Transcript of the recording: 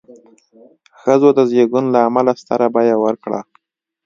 ښځو د زېږون له امله ستره بیه ورکړه.